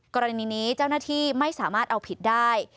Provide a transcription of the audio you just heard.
กรณีนี้เจ้าหน้าที่ไม่สามารถเอาผิดได้